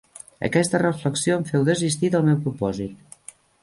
Aquesta reflexió em feu desistir del meu propòsit.